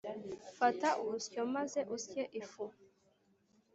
fata urusyo maze usye ifu,